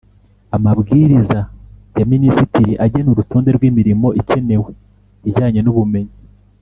Amabwiriza ya Minisitiri agena urutonde rw imirimo ikenewe ijyanye n ubumenyi